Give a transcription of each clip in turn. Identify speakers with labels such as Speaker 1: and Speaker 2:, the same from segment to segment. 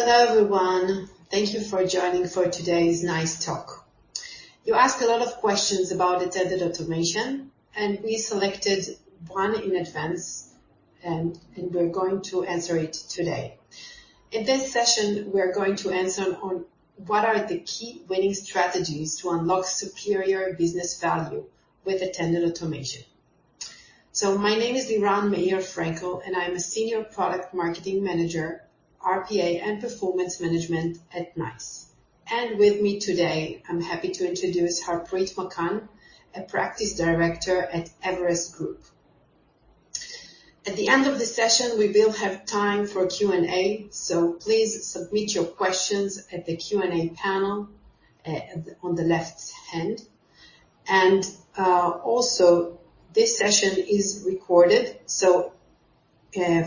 Speaker 1: Hello, everyone. Thank you for joining for today's NICE Talks. You asked a lot of questions about attended automation, and we're going to answer it today. In this session, we're going to answer on what are the key winning strategies to unlock superior business value with attended automation. My name is Liran Meir Frenkel, and I'm a Senior Product Marketing Manager, RPA and performance management at NICE. With me today, I'm happy to introduce Harpreet Makan, a Practice Director at Everest Group. At the end of the session, we will have time for Q&A. Please submit your questions at the Q&A panel on the left-hand. Also, this session is recorded,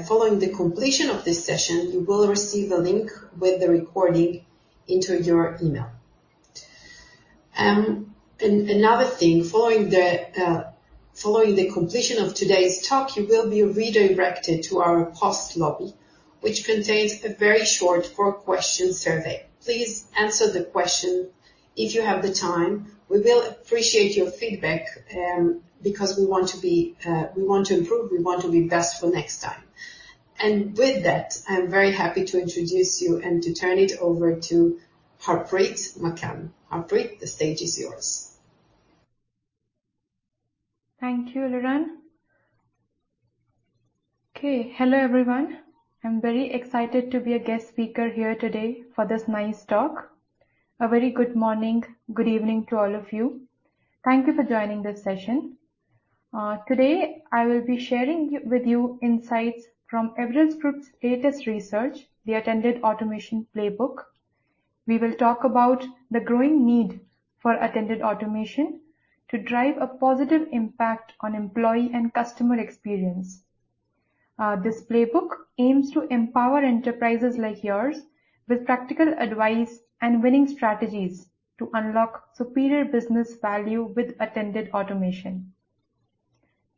Speaker 1: following the completion of this session you will receive a link with the recording into your email. Another thing, following the completion of today's talk, you will be redirected to our post lobby, which contains a very short four-question survey. Please answer the question if you have the time. We will appreciate your feedback, because we want to improve, we want to be best for next time. With that, I'm very happy to introduce you and to turn it over to Harpreet Makan. Harpreet, the stage is yours.
Speaker 2: Thank you, Liran. Okay. Hello, everyone. I'm very excited to be a guest speaker here today for this NICE Talks. A very good morning, good evening to all of you. Thank you for joining this session. Today I will be sharing with you insights from Everest Group's latest research, the Attended Automation Playbook. We will talk about the growing need for attended automation to drive a positive impact on employee and customer experience. This Playbook aims to empower enterprises like yours with practical advice and winning strategies to unlock superior business value with attended automation.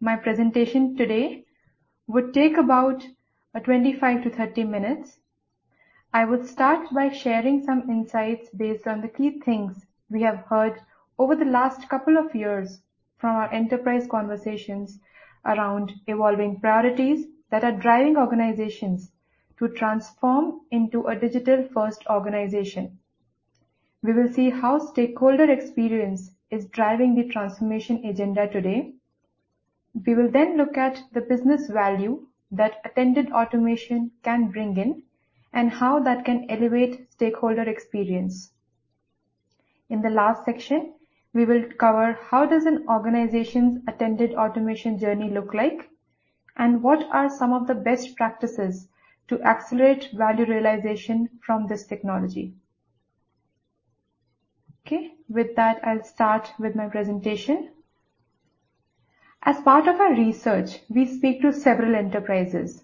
Speaker 2: My presentation today will take about 25-30 minutes. I will start by sharing some insights based on the key things we have heard over the last couple of years from our enterprise conversations around evolving priorities that are driving organizations to transform into a digital-first organization. We will see how stakeholder experience is driving the transformation agenda today. We will look at the business value that attended automation can bring in and how that can elevate stakeholder experience. In the last section, we will cover how does an organization's attended automation journey looks like, and what are some of the best practices to accelerate value realization from this technology. With that, I'll start with my presentation. As part of our research, we speak to several enterprises.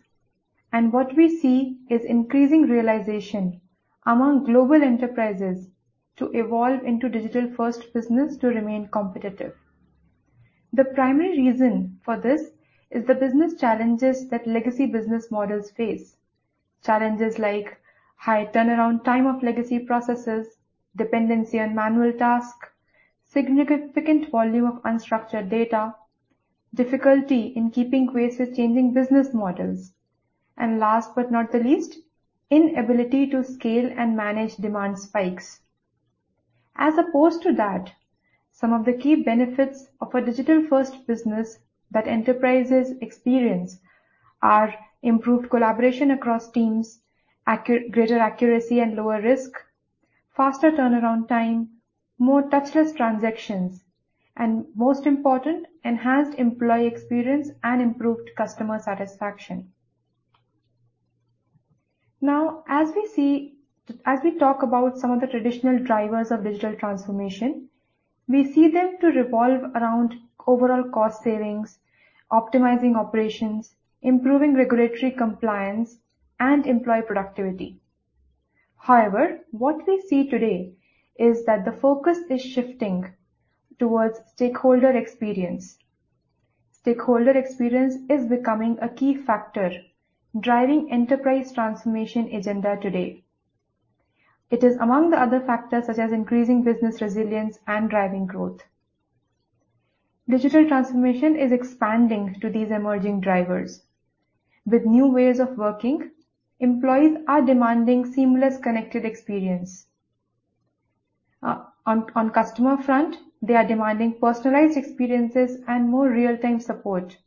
Speaker 2: What we see is an increasing realization among global enterprises to evolve into a digital-first business to remain competitive. The primary reason for this is the business challenges that legacy business models face. Challenges like high turnaround time of legacy processes, dependency on manual tasksthe, significant volume of unstructured data, difficulty in keeping pace with changing business models, and last but not least, inability to scale and manage demand spikes. Opposed to that, some of the key benefits of a digital-first business that enterprises experience are improved collaboration across teams, greater accuracy and lower risk, faster turnaround time, more touchless transactions, and most importantly, enhanced employee experience and improved customer satisfaction. As we talk about some of the traditional drivers of digital transformation, we see them to revolve around overall cost savings, optimizing operations, improving regulatory compliance, and employee productivity. What we see today is that the focus is shifting towards stakeholder experience. Stakeholder experience is becoming a key factor driving enterprise transformation agenda today. It is among the other factors such as increasing business resilience and driving growth. Digital transformation is expanding to these emerging drivers. With new ways of working, employees are demanding seamless, connected experience. On customer front, they are demanding personalized experiences and more real-time support.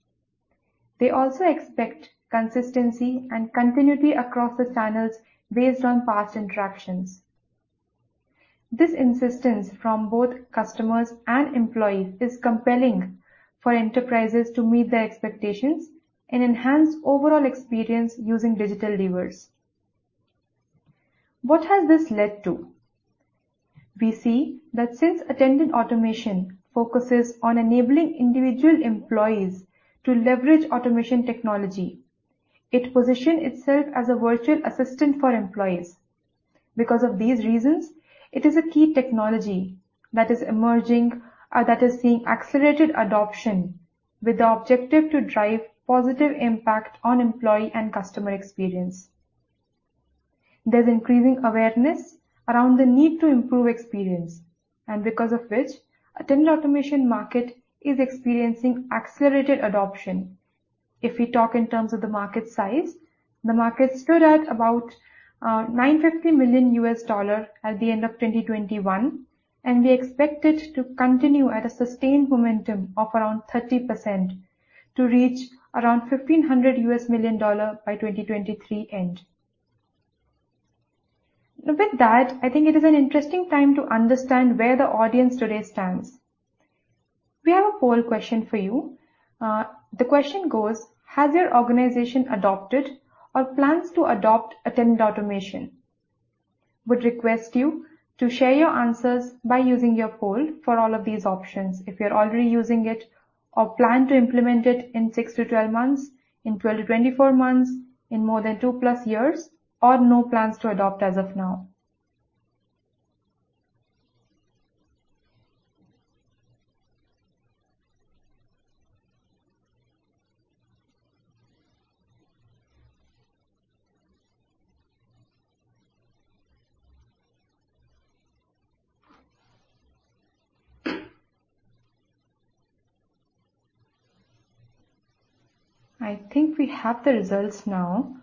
Speaker 2: They also expect consistency and continuity across the channels based on past interactions. This insistence from both customers and employees is compelling for enterprises to meet their expectations and enhance overall experience using digital levers. What has this led to? We see that since attended automation focuses on enabling individual employees to leverage automation technology, it position itself as a virtual assistant for employees. Because of these reasons, it is a key technology that is emerging that is seeing accelerated adoption with the objective to drive positive impact on employee and customer experience. There's increasing awareness around the need to improve experience, because of which attended automation market is experiencing accelerated adoption. If we talk in terms of the market size, the market stood at about $950 million at the end of 2021, we expect it to continue at a sustained momentum of around 30% to reach around $1,500 million by 2023 end. With that, I think it is an interesting time to understand where the audience today stands. We have a poll question for you. The question goes: Has your organization adopted or plans to adopt attended automation? Would request you to share your answers by using your poll for all of these options. If you're already using it or plan to implement it in 6-12 months, in 12-24 months, in more than 2+ years, or no plans to adopt as of now. I think we have the results now.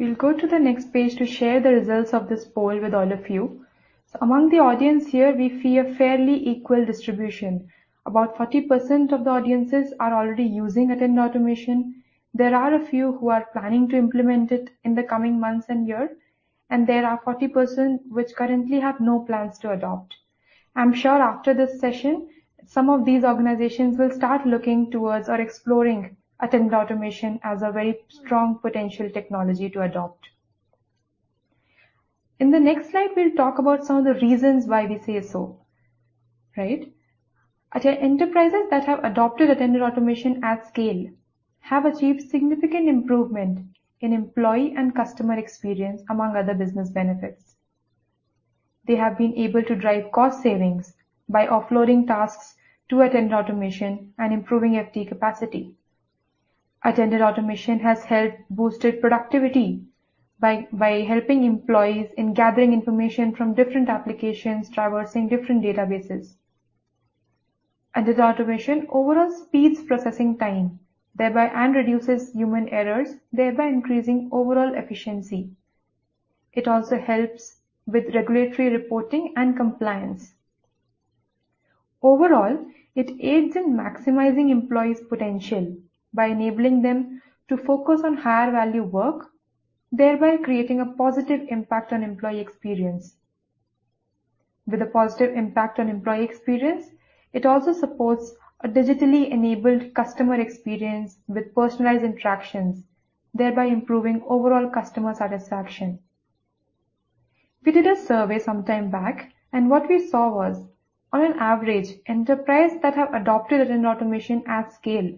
Speaker 2: We'll go to the next page to share the results of this poll with all of you. Among the audience here, we see a fairly equal distribution. About 40% of the audiences are already using attended automation. There are a few who are planning to implement it in the coming months and year, and there are 40% which currently have no plans to adopt. I'm sure after this session, some of these organizations will start looking towards or exploring attended automation as a very strong potential technology to adopt. In the next slide, we'll talk about some of the reasons why we say so, right? Enterprises that have adopted attended automation at scale have achieved significant improvement in employee and customer experience, among other business benefits. They have been able to drive cost savings by offloading tasks to attended automation and improving FTE capacity. Attended automation has helped boost productivity by helping employees in gathering information from different applications traversing different databases. Attended automation overall speeds processing time, thereby reduces human errors, thereby increasing overall efficiency. It also helps with regulatory reporting and compliance. Overall, it aids in maximizing employees' potential by enabling them to focus on higher-value work, thereby creating a positive impact on employee experience. With a positive impact on employee experience, it also supports a digitally enabled customer experience with personalized interactions, thereby improving overall customer satisfaction. We did a survey sometime back, what we saw was, on average, an enterprise that have adopted attended automation at scale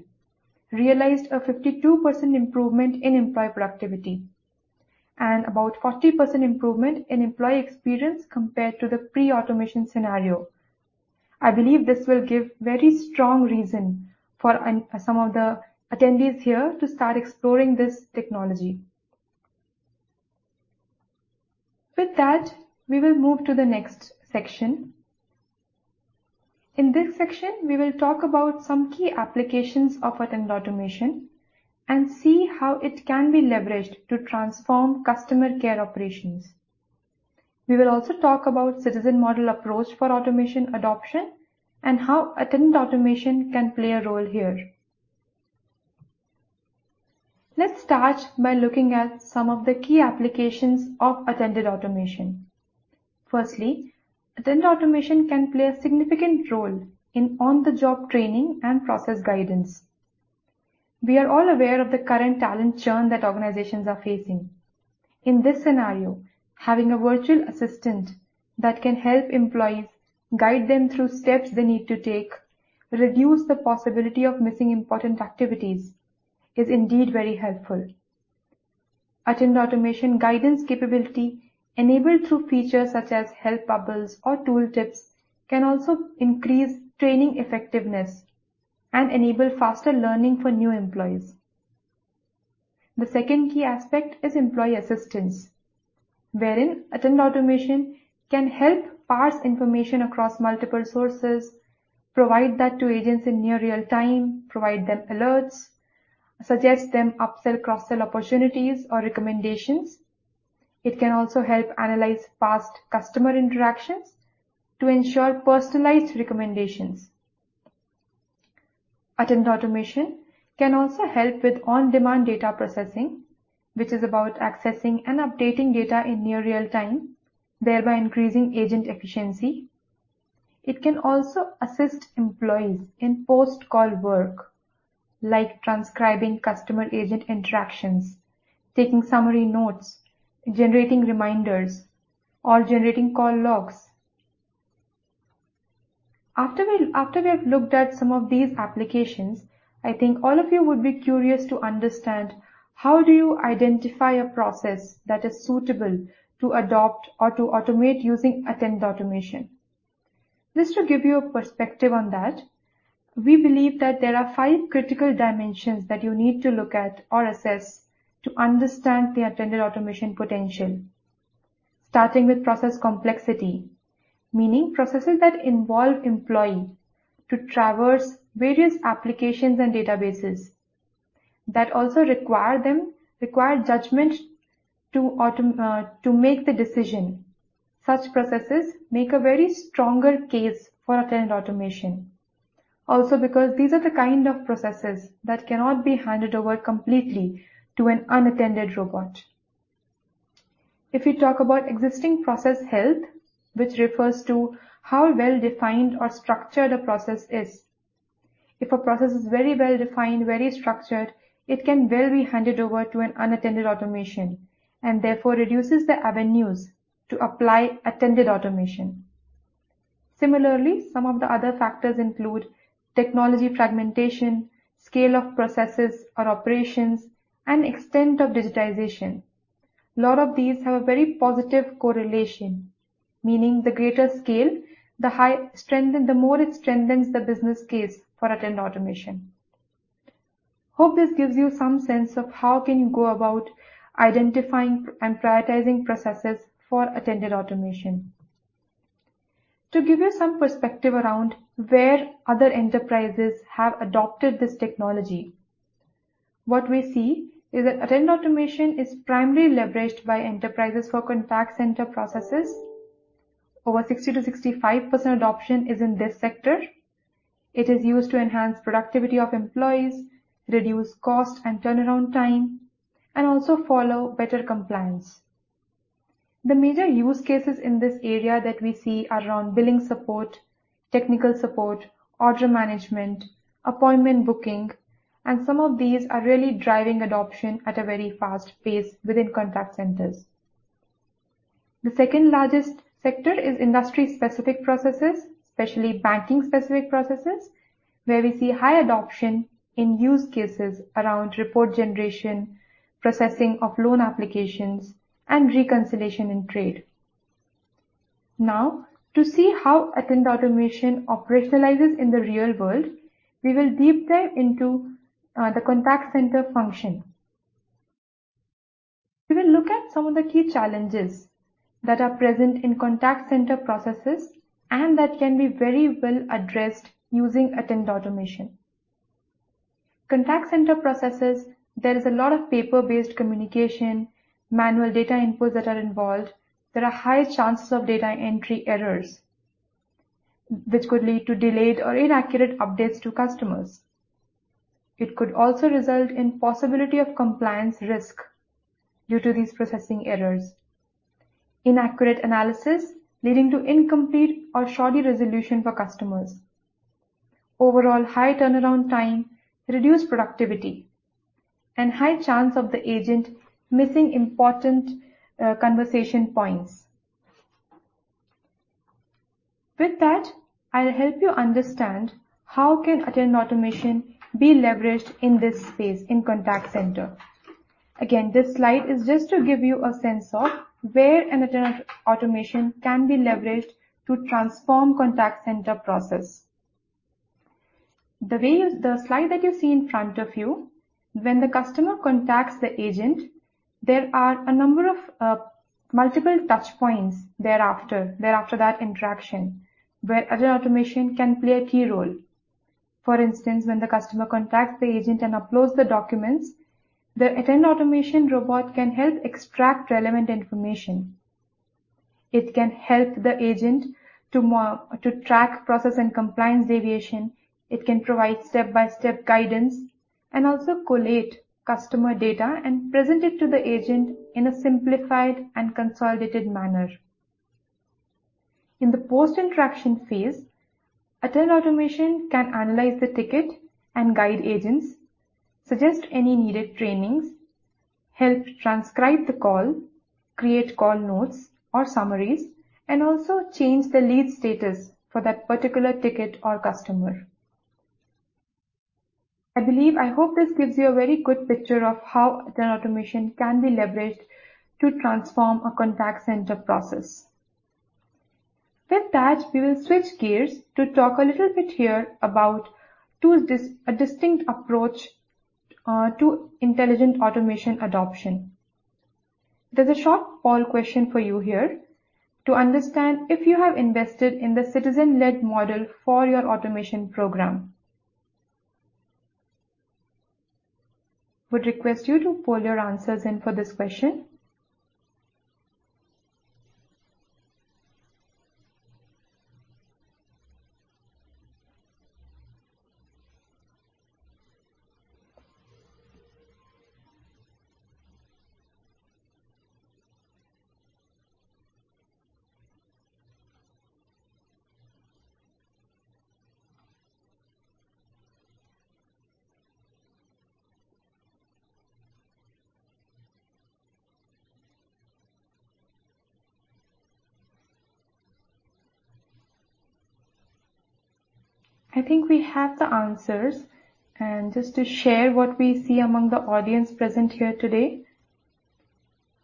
Speaker 2: realized a 52% improvement in employee productivity and about 40% improvement in employee experience compared to the pre-automation scenario. I believe this will give very strong reasons for some of the attendees here to start exploring this technology. With that, we will move to the next section. In this section, we will talk about some key applications of attended automation and see how it can be leveraged to transform customer care operations. We will also talk about the citizen model approach for automation adoption and how attended automation can play a role here. Let's start by looking at some of the key applications of attended automation. Firstly, attended automation can play a significant role in on-the-job training and process guidance. We are all aware of the current talent churn that organizations are facing. In this scenario, having a virtual assistant that can help employees guide them through the steps they need to take and reduce the possibility of missing important activities is indeed very helpful. Attended automation guidance capability, enabled through features such as help bubbles or tool tips, can also increase training effectiveness and enable faster learning for new employees. The second key aspect is employee assistance, wherein attended automation can help parse information across multiple sources, provide that to agents in near real time, provide them with alerts, suggest upsell/cross-sell opportunities or recommendations. It can also help analyze past customer interactions to ensure personalized recommendations. Attended automation can also help with on-demand data processing, which is about accessing and updating data in near real-time, thereby increasing agent efficiency. It can also assist employees in post-call work like transcribing customer-agent interactions, taking summary notes, generating reminders, or generating call logs. After we have looked at some of these applications, I think all of you would be curious to understand how do you identify a process that is suitable to adopt or to automate using attended automation. Just to give you a perspective on that, we believe that there are five critical dimensions that you need to look at or assess to understand the attended automation potential. Starting with process complexity, meaning processes that involve employee to traverse various applications and databases that also require judgment to make the decision. Such processes make a very stronger case for attended automation. Also because these are the kind of processes that cannot be handed over completely to an unattended robot. You talk about existing process health, which refers to how well-defined or structured a process is. A process is very well-defined, very structured, it can well be handed over to unattended automation and therefore reduces the avenues to apply attended automation. Some of the other factors include technology fragmentation, scale of processes or operations, and extent of digitization. A lot of these have a very positive correlation, meaning the greater the scale, the more it strengthens the business case for attended automation. Hope this gives you some sense of how you can go about identifying and prioritizing processes for attended automation. To give you some perspective around where other enterprises have adopted this technology, what we see is that attended automation is primarily leveraged by enterprises for contact center processes. Over 60%-65% adoption is in this sector. It is used to enhance the productivity of employees, reduce costs and turnaround time, and also follow better compliance. The major use cases in this area that we see are around billing support, technical support, order management, appointment booking, and some of these are really driving adoption at a very fast pace within contact centers. The second-largest sector is industry-specific processes, especially banking-specific processes, where we see high adoption in use cases around report generation, processing of loan applications, and reconciliation in trade. To see how attended automation operationalizes in the real world, we will deep dive into the contact center function. We will look at some of the key challenges that are present in contact center processes and that can be very well addressed using attended automation. Contact center processes, there is a lot of paper-based communication, manual data inputs that are involved. There are high chances of data entry errors that could lead to delayed or inaccurate updates to customers. It could also result in possibility of compliance risk due to these processing errors. Inaccurate analysis leading to incomplete or shoddy resolution for customers. Overall high turnaround time, reduced productivity, and high chance of the agent missing important conversation points. With that, I'll help you understand how can attended automation be leveraged in this space in contact center. Again, this slide is just to give you a sense of where an attended automation can be leveraged to transform contact center process. The slide that you see in front of you, when the customer contacts the agent, there are a number of multiple touchpoints thereafter that interaction where attended automation can play a key role. For instance, when the customer contacts the agent and uploads the documents, the attended automation robot can help extract relevant information. It can help the agent to track process and compliance deviation. It can provide step-by-step guidance and also collate customer data and present it to the agent in a simplified and consolidated manner. In the post-interaction phase, attended automation can analyze the ticket and guide agents, suggest any needed trainings, help transcribe the call, create call notes or summaries, and also change the lead status for that particular ticket or customer. I hope this gives you a very good picture of how attended automation can be leveraged to transform a contact center process. With that, we will switch gears to talk a little bit here about a distinct approach to intelligent automation adoption. There's a short poll question for you here to understand if you have invested in the citizen-led model for your automation program. Would request you to poll your answers in for this question. I think we have the answers. Just to share what we see among the audience present here today.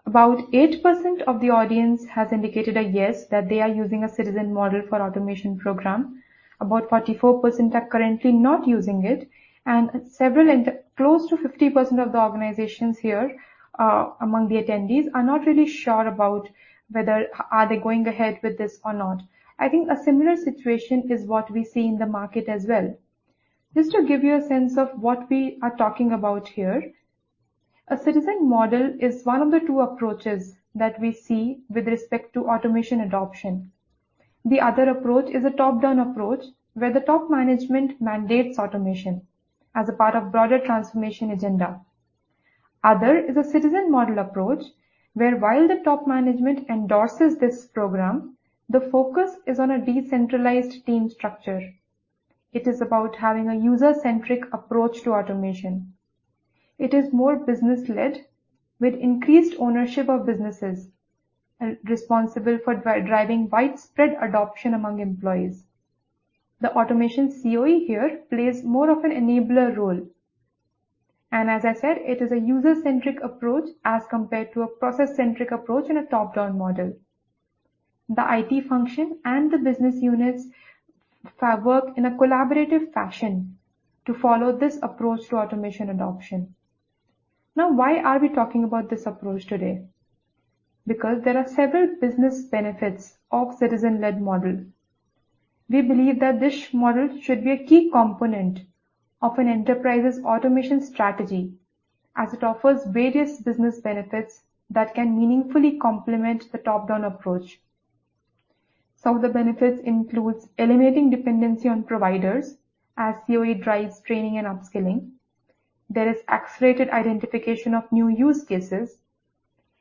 Speaker 2: About 8% of the audience has indicated a yes, that they are using a citizen model for automation program. About 44% are currently not using it, and close to 50% of the organizations here among the attendees are not really sure about whether are they going ahead with this or not. I think a similar situation is what we see in the market as well. Just to give you a sense of what we are talking about here. A citizen model is one of the two approaches that we see with respect to automation adoption. The other approach is a top-down approach, where the top management mandates automation as a part of broader transformation agenda. Other is a citizen model approach, where while the top management endorses this program, the focus is on a decentralized team structure. It is about having a user-centric approach to automation. It is more business-led with increased ownership of businesses, responsible for driving widespread adoption among employees. The automation COE here plays more of an enabler role. As I said, it is a user-centric approach as compared to a process-centric approach in a top-down model. The IT function and the business units work in a collaborative fashion to follow this approach to automation adoption. Now, why are we talking about this approach today? There are several business benefits of citizen-led model. We believe that this model should be a key component of an enterprise's automation strategy, as it offers various business benefits that can meaningfully complement the top-down approach. Some of the benefits includes eliminating dependency on providers, as COE drives training and upskilling. There is accelerated identification of new use cases.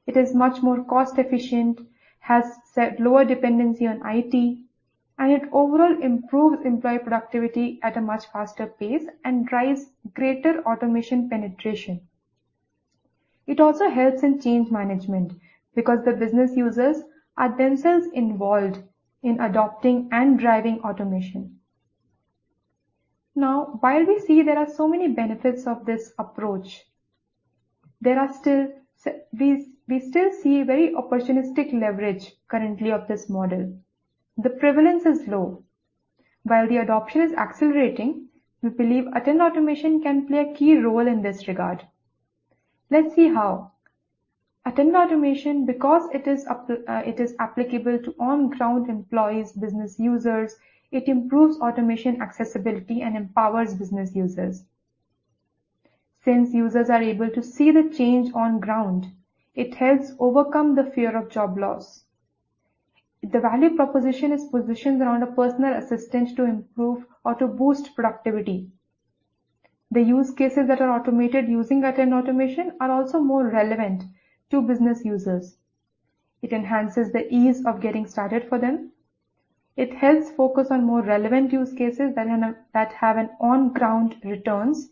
Speaker 2: It is much more cost-efficient, has set lower dependency on IT, and it overall improves employee productivity at a much faster pace and drives greater automation penetration. It also helps in change management because the business users are themselves involved in adopting and driving automation. While we see there are so many benefits of this approach, we still see very opportunistic leverage currently of this model. The prevalence is low. While the adoption is accelerating, we believe attended automation can play a key role in this regard. Let's see how. Attended automation, because it is applicable to on-ground employees, business users, it improves automation accessibility and empowers business users. Since users are able to see the change on ground, it helps overcome the fear of job loss. The value proposition is positioned around a personal assistant to improve or to boost productivity. The use cases that are automated using attended automation are also more relevant to business users. It enhances the ease of getting started for them. It helps focus on more relevant use cases that have an on-ground returns.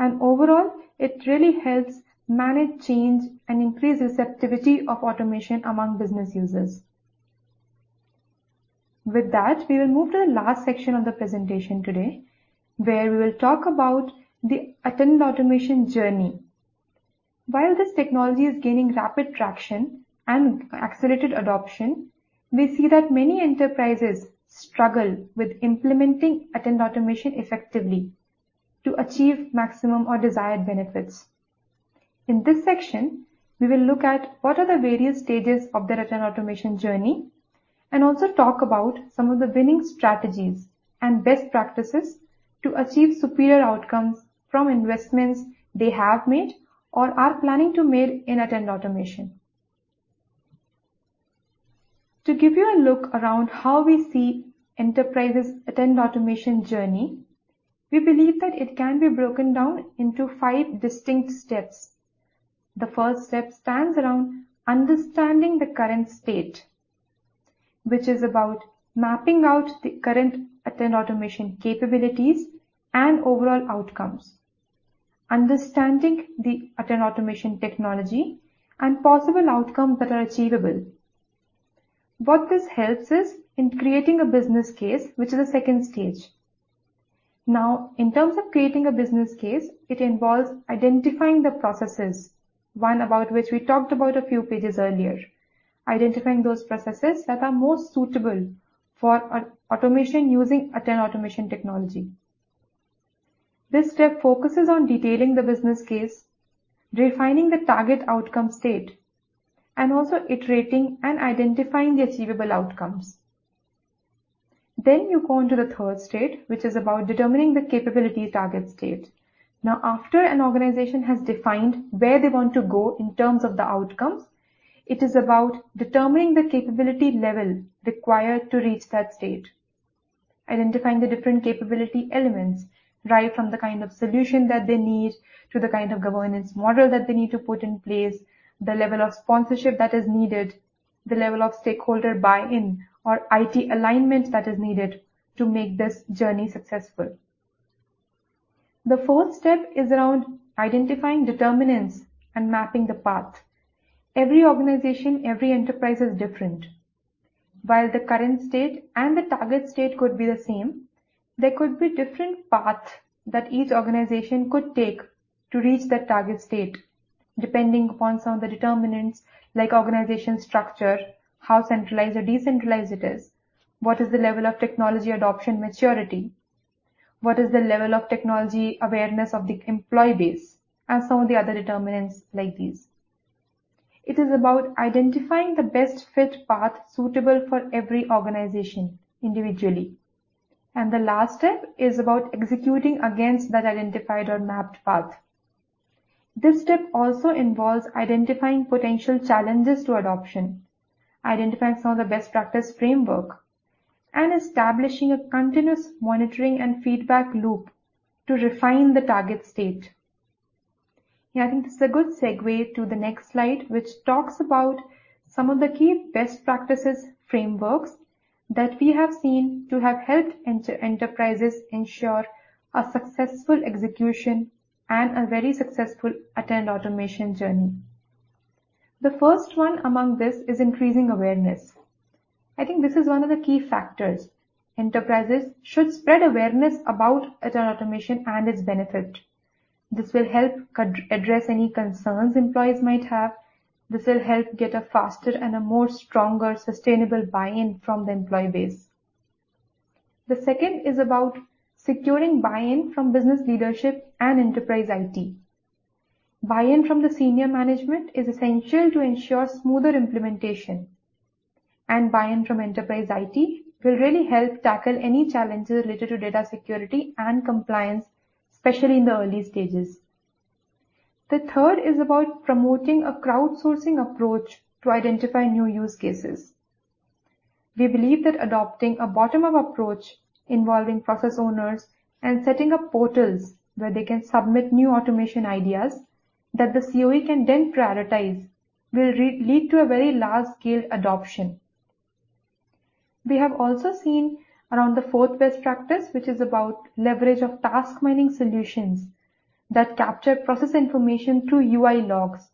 Speaker 2: Overall, it really helps manage change and increase receptivity of automation among business users. With that, we will move to the last section of the presentation today, where we will talk about the attended automation journey. While this technology is gaining rapid traction and accelerated adoption, we see that many enterprises struggle with implementing attended automation effectively to achieve maximum or desired benefits. In this section, we will look at what are the various stages of the attended automation journey, and also talk about some of the winning strategies and best practices to achieve superior outcomes from investments they have made or are planning to make in attended automation. To give you a look around how we see enterprise's attended automation journey, we believe that it can be broken down into five distinct steps. The first step stands around understanding the current state, which is about mapping out the current attended automation capabilities and overall outcomes, understanding the attended automation technology and possible outcome that are achievable. What this helps is in creating a business case, which is the second stage. In terms of creating a business case, it involves identifying the processes, one about which we talked about a few pages earlier. Identifying those processes that are most suitable for automation using attended automation technology. This step focuses on detailing the business case, refining the target outcome state, and also iterating and identifying the achievable outcomes. You go on to the third state, which is about determining the capabilities target state. After an organization has defined where they want to go in terms of the outcomes, it is about determining the capability level required to reach that state. Identifying the different capability elements, right from the kind of solution that they need to the kind of governance model that they need to put in place, the level of sponsorship that is needed, the level of stakeholder buy-in or IT alignment that is needed to make this journey successful. The fourth step is around identifying determinants and mapping the path. Every organization, every enterprise is different. While the current state and the target state could be the same, there could be different path that each organization could take to reach that target state, depending upon some of the determinants like organization structure, how centralized or decentralized it is, what is the level of technology adoption maturity, what is the level of technology awareness of the employee base, and some of the other determinants like these. It is about identifying the best fit path suitable for every organization individually. The last step is about executing against that identified or mapped path. This step also involves identifying potential challenges to adoption, identifying some of the best practice framework, and establishing a continuous monitoring and feedback loop to refine the target state. I think this is a good segue to the next slide, which talks about some of the key best practices frameworks that we have seen to have helped enterprises ensure a successful execution and a very successful attended automation journey. The first one among this is increasing awareness. I think this is one of the key factors. Enterprises should spread awareness about attended automation and its benefit. This will help address any concerns employees might have. This will help get a faster and a more stronger, sustainable buy-in from the employee base. The second is about securing buy-in from business leadership and enterprise IT. Buy-in from the senior management is essential to ensure smoother implementation, and buy-in from enterprise IT will really help tackle any challenges related to data security and compliance, especially in the early stages. The third is about promoting a crowdsourcing approach to identify new use cases. We believe that adopting a bottom-up approach involving process owners and setting up portals where they can submit new automation ideas that the COE can then prioritize will lead to a very large-scale adoption. We have also seen around the fourth best practice, which is about leverage of task mining solutions that capture process information through UI logs.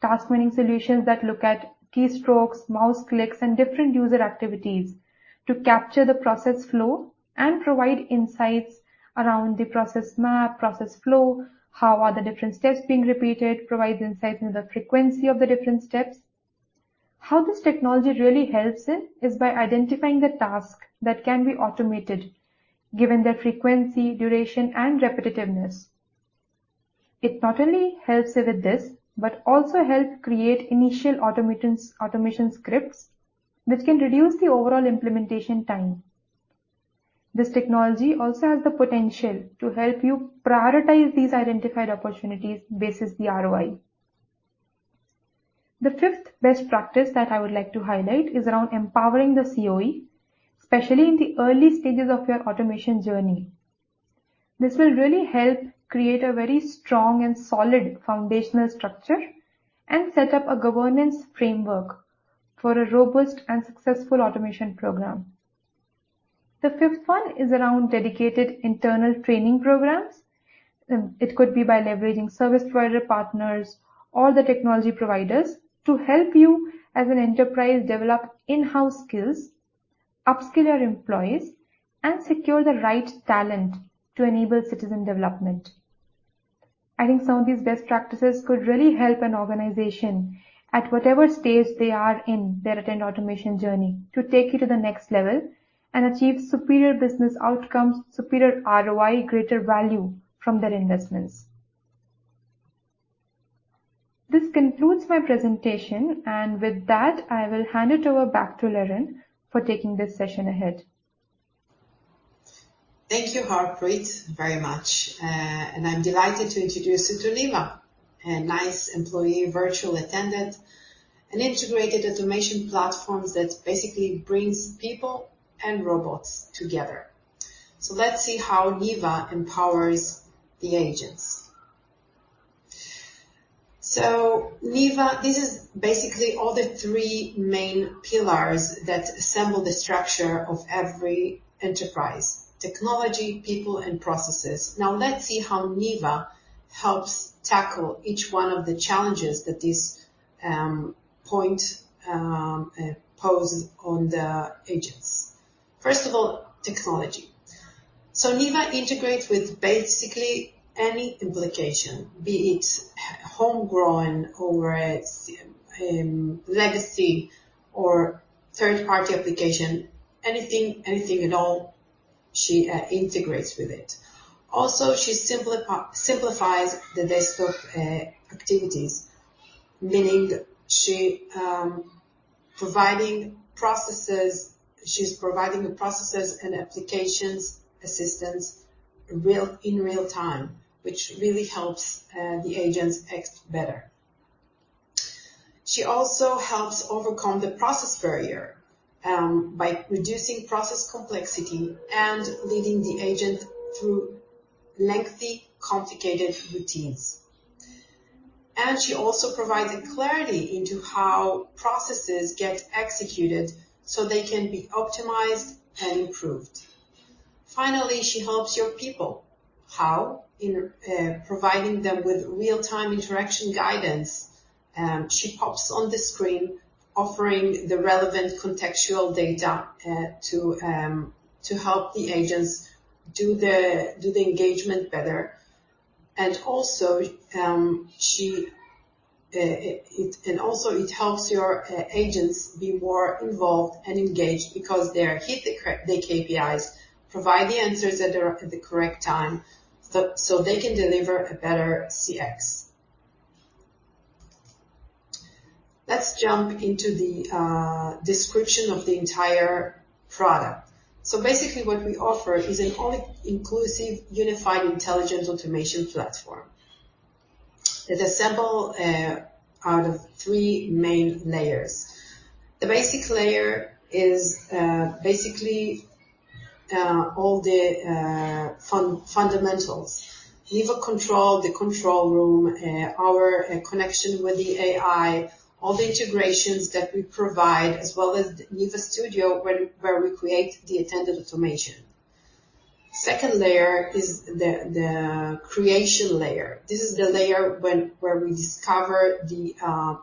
Speaker 2: Task mining solutions that look at keystrokes, mouse clicks, and different user activities to capture the process flow and provide insights around the process map, process flow, how are the different steps being repeated, provide insight into the frequency of the different steps. How this technology really helps is by identifying the task that can be automated given their frequency, duration, and repetitiveness. It not only helps you with this, but also help create initial automation scripts which can reduce the overall implementation time. This technology also has the potential to help you prioritize these identified opportunities basis the ROI. The fifth best practice that I would like to highlight is around empowering the COE, especially in the early stages of your automation journey. This will really help create a very strong and solid foundational structure and set up a governance framework for a robust and successful automation program. The fifth one is around dedicated internal training programs. It could be by leveraging service provider partners or the technology providers to help you as an enterprise, develop in-house skills, upskill your employees, and secure the right talent to enable citizen development. I think some of these best practices could really help an organization at whatever stage they are in their attended automation journey to take you to the next level and achieve superior business outcomes, superior ROI, greater value from their investments. This concludes my presentation. With that, I will hand it over back to Liran for taking this session ahead.
Speaker 1: Thank you, Harpreet, very much. I'm delighted to introduce you to NEVA, a NICE Employee Virtual Attendant, an integrated automation platform that basically brings people and robots together. Let's see how NEVA empowers the agents. NEVA, this is basically all the three main pillars that assemble the structure of every enterprise: technology, people, and processes. Now, let's see how NEVA helps tackle each one of the challenges that this point pose on the agents. First of all, technology. NEVA integrates with basically any application, be it homegrown or its legacy or third-party application. Anything, anything at all, she integrates with it. Also, she simplifies the desktop activities, meaning she's providing the processes and applications assistance in real-time, which really helps the agents act better. She also helps overcome the process barrier by reducing process complexity and leading the agent through lengthy, complicated routines. She also provides a clarity into how processes get executed so they can be optimized and improved. Finally, she helps your people. How? In providing them with real-time interaction guidance. She pops on the screen offering the relevant contextual data to help the agents do the engagement better. Also it helps your agents be more involved and engaged because they hit the KPIs, provide the answers at the correct time, so they can deliver a better CX. Let's jump into the description of the entire product. Basically what we offer is an all-inclusive unified intelligent automation platform. It's assembled out of three main layers. The basic layer is basically all the fundamentals: NEVA Control, the control room, our connection with the AI, all the integrations that we provide, as well as NEVA Studio where we create the attended automation. The second layer is the creation layer. This is the layer where we discover the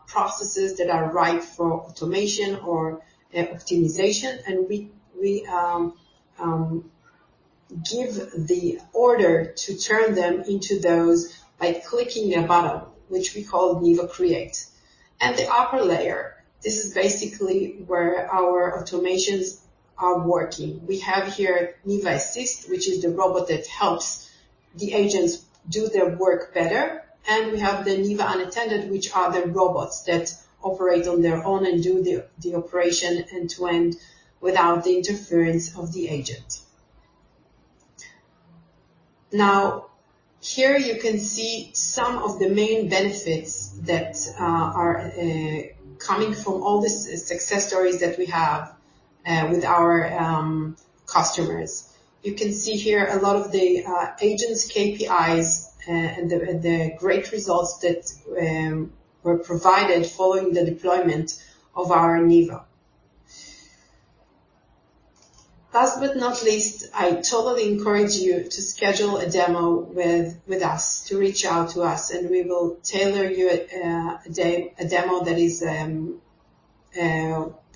Speaker 1: processes that are right for automation or optimization, and we give the order to turn them into those by clicking a button, which we call NEVA Create. The upper layer, this is basically where our automations are working. We have here NEVA Assist, which is the robot that helps the agents do their work better. We have the NEVA Unattended, which are the robots that operate on their own and do the operation end-to-end without the interference of the agent. Here you can see some of the main benefits that are coming from all the success stories that we have with our customers. You can see here a lot of the agents' KPIs and the great results that were provided following the deployment of our NEVA. I totally encourage you to schedule a demo with us, to reach out to us, and we will tailor you a demo that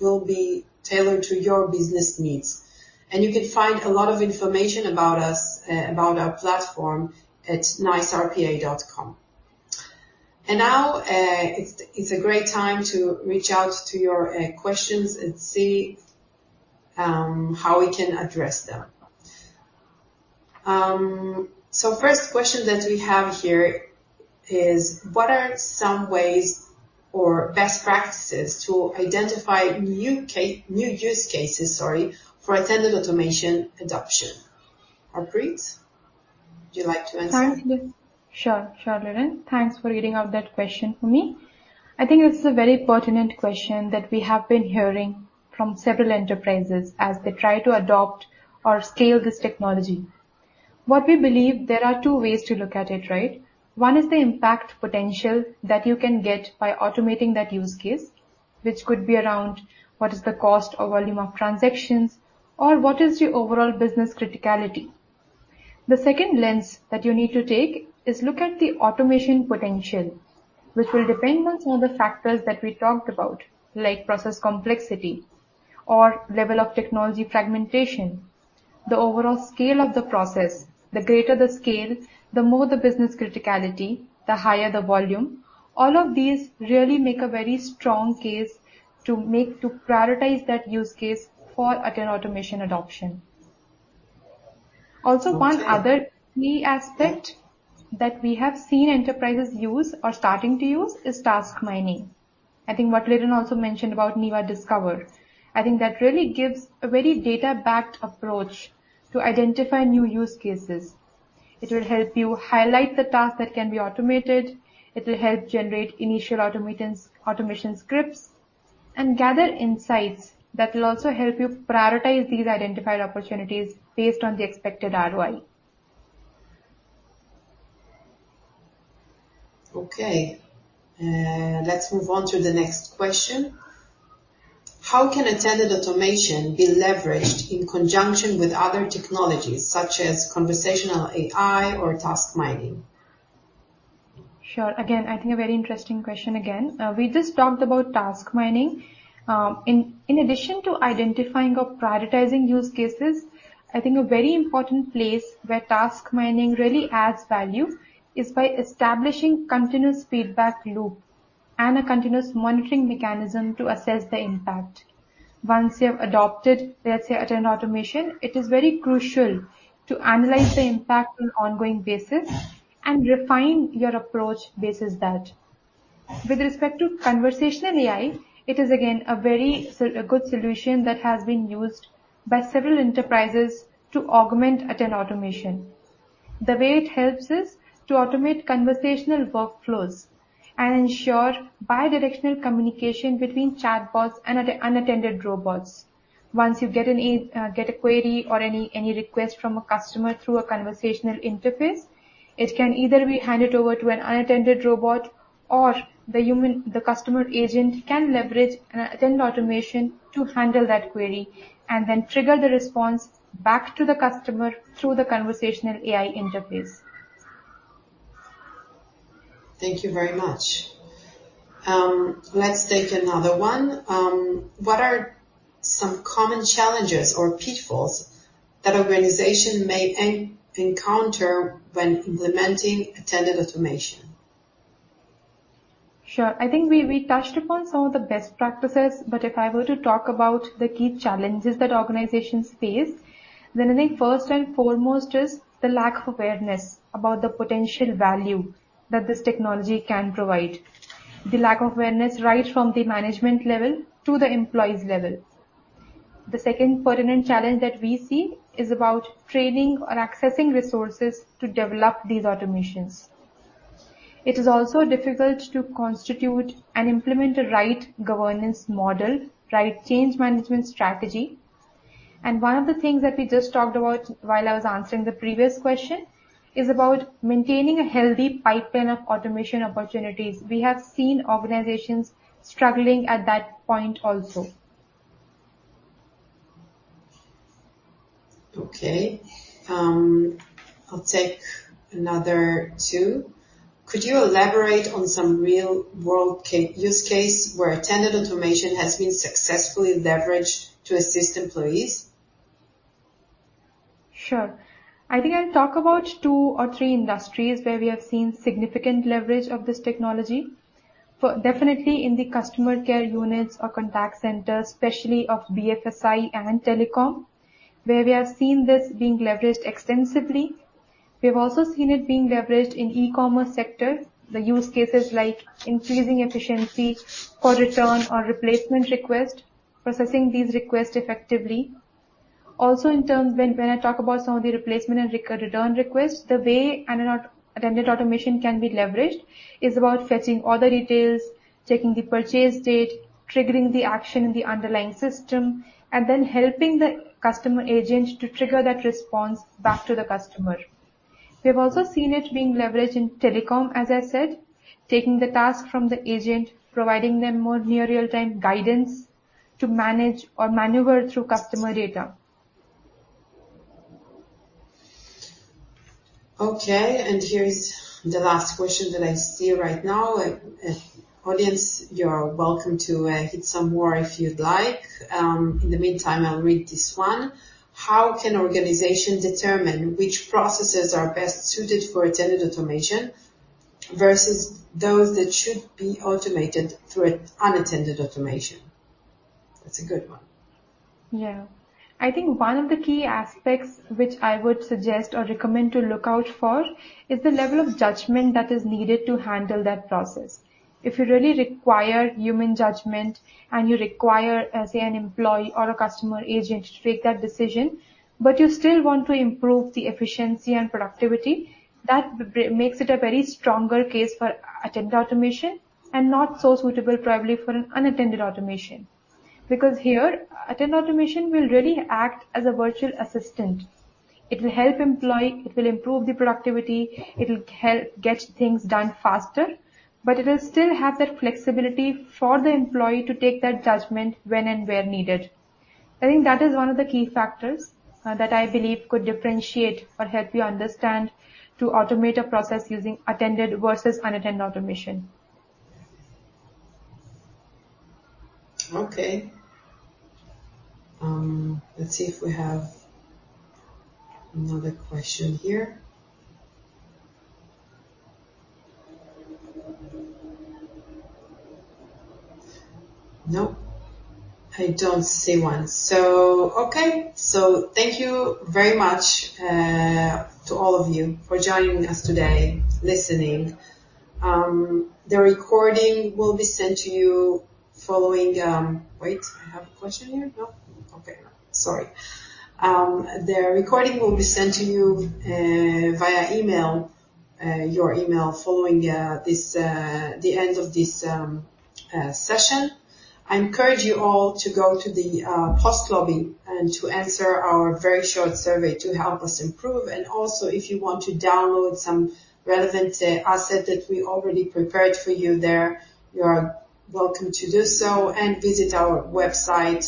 Speaker 1: will be tailored to your business needs. You can find a lot of information about us, about our platform at nicerpa.com. Now, it's a great time to reach out to your questions and see how we can address them. First question that we have here is: What are some ways or best practices to identify new use cases for attended automation adoption? Harpreet, would you like to answer?
Speaker 2: Sure. Sure, Liran. Thanks for reading out that question for me. I think it's a very pertinent question that we have been hearing from several enterprises as they try to adopt or scale this technology. What we believe, there are two ways to look at it, right? One is the impact potential that you can get by automating that use case, which could be around what is the cost or volume of transactions or what is the overall business criticality. The second lens that you need to take is look at the automation potential, which will depend on some of the factors that we talked about, like process complexity or level of technology fragmentation, the overall scale of the process. The greater the scale, the more the business criticality, the higher the volume. All of these really make a very strong case to make to prioritize that use case for attended automation adoption. One other key aspect that we have seen enterprises use or starting to use is task mining. I think what Liran also mentioned about NEVA Discover. I think that really gives a very data-backed approach to identify new use cases. It will help you highlight the tasks that can be automated. It will help generate initial automations, automation scripts and gather insights that will also help you prioritize these identified opportunities based on the expected ROI.
Speaker 1: Let's move on to the next question. How can attended automation be leveraged in conjunction with other technologies such as conversational AI or task mining?
Speaker 2: Sure. Again, I think it's a very interesting question again. We just talked about task mining. In addition to identifying or prioritizing use cases, I think a very important place where task mining really adds value is by establishing a continuous feedback loop and a continuous monitoring mechanism to assess the impact. Once you have adopted, let's say, attended automation, it is very crucial to analyze the impact on an ongoing basis and refine your approach basis that. With respect to conversational AI, it is again a very good solution that has been used by several enterprises to augment attended automation. The way it helps is to automate conversational workflows and ensure bi-directional communication between chatbots and unattended robots. Once you get a query or any request from a customer through a conversational interface, it can either be handed over to an unattended robot or the customer agent can leverage attended automation to handle that query and then trigger the response back to the customer through the conversational AI interface.
Speaker 1: Thank you very much. Let's take another one. What are some common challenges or pitfalls that an organization may encounter when implementing attended automation?
Speaker 2: Sure. I think we touched upon some of the best practices. If I were to talk about the key challenges that organizations face, then I think first and foremost is the lack of awareness about the potential value that this technology can provide, the lack of awareness right from the management level to the employees' level. The second pertinent challenge that we see is about training or accessing resources to develop these automations. It is also difficult to constitute and implement a right governance model, a right change management strategy. One of the things that we just talked about while I was answering the previous question is about maintaining a healthy pipeline of automation opportunities. We have seen organizations struggling at that point also.
Speaker 1: Okay. I'll take another two. Could you elaborate on some real-world use case where attended automation has been successfully leveraged to assist employees?
Speaker 2: Sure. I think I'll talk about two or three industries where we have seen significant leverage of this technology. Definitely in the customer care units or contact centers, especially in BFSI and telecom, where we have seen this being leveraged extensively. We have also seen it being leveraged in the e-commerce sector. The use cases increasing efficiency for return or replacement requests, and processing these requests effectively. Also, in terms of when I talk about some of the replacement and return requests, the way an attended automation can be leveraged is about fetching all the details, checking the purchase date, triggering the action in the underlying system, and then helping the customer agent to trigger that response back to the customer. We have also seen it being leveraged in telecom, as I said, taking the task from the agent, providing them more near real-time guidance to manage or maneuver through customer data.
Speaker 1: Okay, here is the last question that I see right now. audience, you are welcome to hit some more if you'd like. In the meantime, I'll read this one. How can an organization determine which processes are best suited for attended automation versus those that should be automated through unattended automation? That's a good one.
Speaker 2: I think one of the key aspects which I would suggest or recommend to look out for is the level of judgment that is needed to handle that process. If you really require human judgment and you require, let's say, an employee or a customer agent to make that decision, but you still want to improve the efficiency and productivity, that makes it a very strong case for attended automation and not so suitable probably for an unattended automation. Here, attended automation will really act as a virtual assistant. It will help employees, it will improve productivity, it will get things done faster, but it will still have that flexibility for the employee to take that judgment when and where needed. I think that is one of the key factors that I believe could differentiate or help you understand to automate a process using attended versus unattended automation.
Speaker 1: Okay. Let's see if we have another question here. Nope. I don't see one. Thank you very much to all of you for joining us today, listening. The recording will be sent to you following. Wait, I have a question here. No? Okay. Sorry. The recording will be sent to you via email, your email following this, at the end of this session. I encourage you all to go to the post lobby and to answer our very short survey to help us improve. Also, if you want to download some relevant assets that we already prepared for you there, you are welcome to do so, and visit our website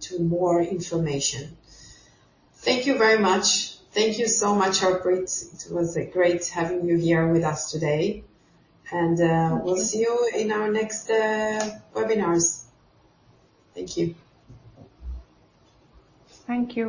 Speaker 1: for more information. Thank you very much. Thank you so much, Harpreet. It was great having you here with us today. We'll see you in our next webinars. Thank you.
Speaker 2: Thank you.